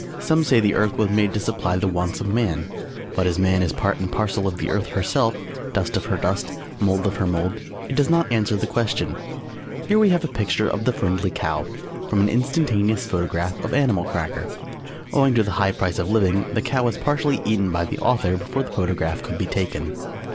Some say the Earth was made to supply the wants of Man, but as Man is part and parcel of the Earth herself, dust of her dust, mould of her mould, it does not answer the question. [Illustration: THE FRIENDLY COW. From an instantaneous photograph of animal cracker. Owing to the high price of living the cow was partially eaten by the author before the photograph could be taken.